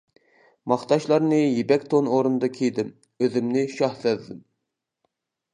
ماختاشلارنى يىپەك تون ئورنىدا كىيدىم، ئۆزۈمنى شاھ سەزدىم.